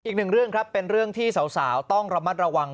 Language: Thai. อีกหนึ่งเรื่องครับเป็นเรื่องที่สาวต้องระมัดระวัง